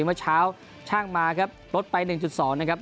เมื่อเช้าช่างมาครับลดไปหนึ่งจุดสองนะครับ